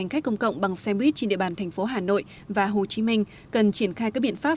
khách công cộng bằng xe buýt trên địa bàn thành phố hà nội và hồ chí minh cần triển khai các biện pháp